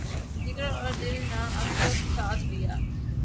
جگر اور دل نے اب تک ساتھ دیا ہے۔